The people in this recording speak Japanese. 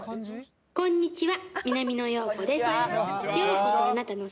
こんにちは。